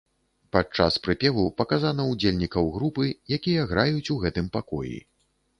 Пад час прыпеву паказана удзельнікаў групы, якія граюць у гэтым пакоі.